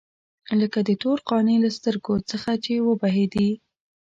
لکه د تور قانع له سترګو څخه چې وبهېدې.